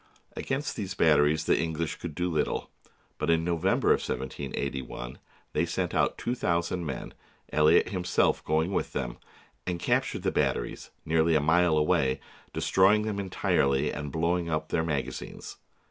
Against these batteries the English could do little; but in November of 1781 they sent out two thousand men, Elliot him self going with them, and captured the batteries, nearly a mile away, destroying them entirely and blowing up their magazines.